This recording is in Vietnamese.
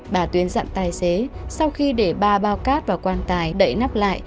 bà tuyên dặn tài xế sau khi để ba bao cát và quan tài đậy nắp lại